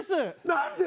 何で？